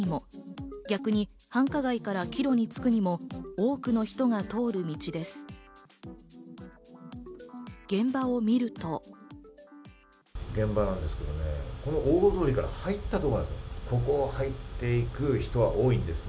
駅から繁華街に行くにも逆に繁華街から帰路につくにも多くの人が通る道です。